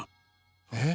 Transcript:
えっ？